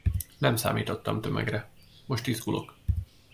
Nem számítottam tömegre, most izgulok.